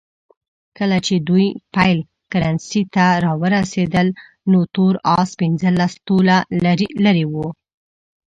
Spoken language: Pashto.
کله چې دوی پیل کرښې ته راورسېدل نو تور اس پنځلس طوله لرې وو.